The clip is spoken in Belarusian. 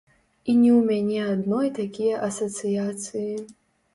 І не ў мяне адной такія асацыяцыі.